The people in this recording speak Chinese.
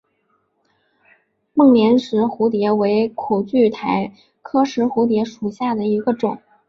孟连石蝴蝶为苦苣苔科石蝴蝶属下的一个种。